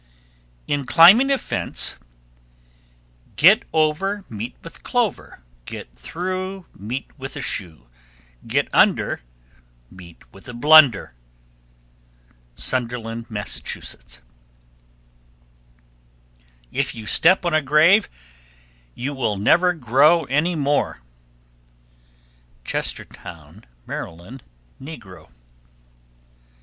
In climbing a fence, Get over, meet with clover, Get through, meet with a shoe; Get under, meet with a blunder. Sunderland, Mass. 1287. If you step on a grave, you will never grow any more. _Chestertown, Md. (negro).